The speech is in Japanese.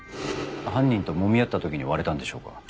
犯人ともみ合った時に割れたんでしょうか。